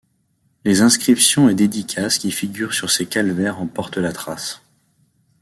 Les inscriptions et dédicaces qui figurent sur ces calvaires en portent la trace.